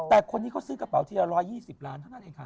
แต่คนนี้เขาซื้อกระเป๋าทีละ๑๒๐ล้านเท่านั้นเองค่ะ